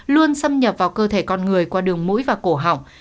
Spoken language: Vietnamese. luôn xâm nhập vào cơ thể con người qua đường mũi và cổ hỏng